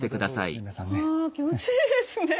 あ気持ちいいですね。